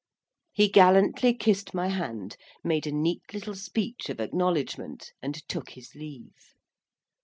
He gallantly kissed my hand, made a neat little speech of acknowledgment, and took his leave.